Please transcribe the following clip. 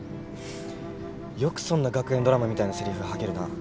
よくそんな学園ドラマみたいなせりふ吐けるな。